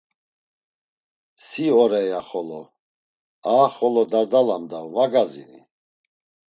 Si ore, ya xolo; aha xolo dardalam da va gazini?